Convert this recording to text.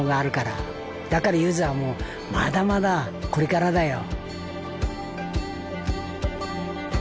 だから湯沢もまだまだこれからだよ。